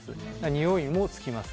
においもつきます。